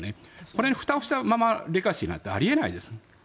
これにふたをしたままレガシーなんてあり得ないです。